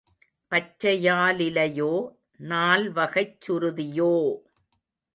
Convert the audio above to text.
பச்சையாலிலையோ, நால் வகைச் சுருதியோ!